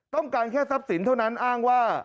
ต้องการแค่ทรัพย์สินเท่านั้นอ้างว่า